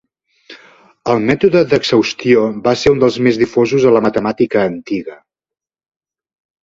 El mètode d'exhaustió va ser un dels més difosos a la matemàtica antiga.